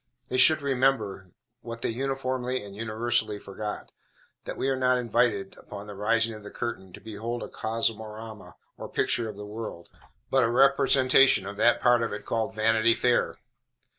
They should remember, what they uniformly and universally forget, that we are not invited, upon the rising of the curtain, to behold a cosmorama, or picture of the world, but a representation of that part of it called Vanity Fair.